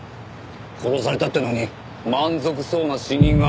殺されたってのに満足そうな死に顔。